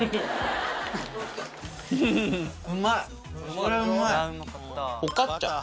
これうまい！